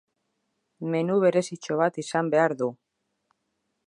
Menu berezitxo bat izan behar du.